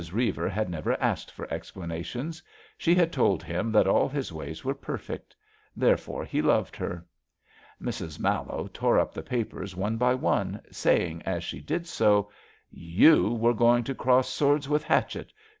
Reiver had never asked for explanations. She had told him that all his ways were perfect. There fore he loved her. Mrs. Mallowe tore up the papers one by one, saying as she did so: *' You were going to cross swords with Hatchett.